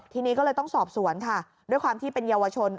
ทีนี้ก็เลยต้องสอบสวนค่ะด้วยความที่เป็นเยาวชน